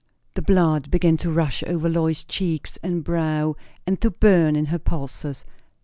The blood began to rush over Lois's cheeks and brow and to burn in her pulses.